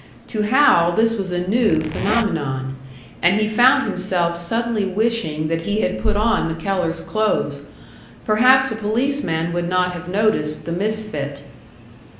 To Hal this was a new phenomenon, and he found himself suddenly wishing that he had put on MacKellar's clothes. Perhaps a policeman would not have noticed the misfit!